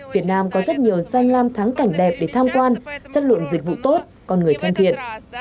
việt nam có rất nhiều danh lam thắng cảnh đẹp để tham quan chất lượng dịch vụ tốt con người thân thiện